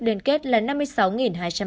đơn kết là năm mươi sáu hai trăm ba mươi chứng chỉ